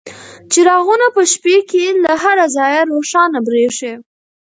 چراغونه په شپې کې له هر ځایه روښانه بریښي.